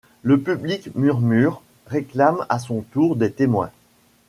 Le public murmure, réclame à son tour des témoins.